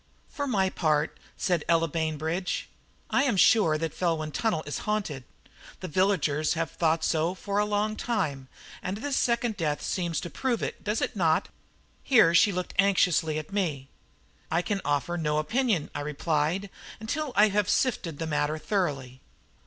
"For my part," said Ella Bainbridge, "I am sure that Felwyn Tunnel is haunted. The villagers have thought so for a long time, and this second death seems to prove it, does it not?" Here she looked anxiously at me. "I can offer no opinion," I replied, "until I have sifted the matter thoroughly."